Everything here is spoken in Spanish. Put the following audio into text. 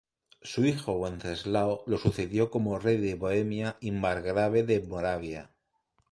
Su hijo Wenceslao lo sucedió como rey de Bohemia y margrave de Moravia.